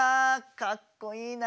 かっこいいな！